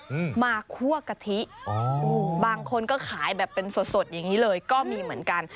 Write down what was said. อืมมาคั่วกะทิอ๋อบางคนก็ขายแบบเป็นสดสดอย่างงี้เลยก็มีเหมือนกัน